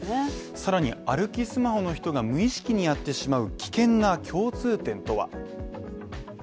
さらに、歩きスマホの人が無意識にやってしまう危険な共通点とは。